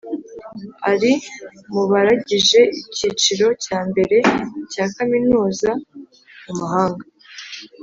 Ari mu baragije ikiciro cya mbere cya kaminuza mu mahanga